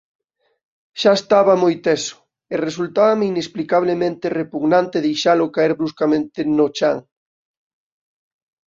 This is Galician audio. Xa estaba moi teso, e resultábame inexplicablemente repugnante deixalo caer bruscamente no chan.